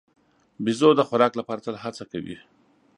بیزو د خوراک لپاره تل هڅه کوي.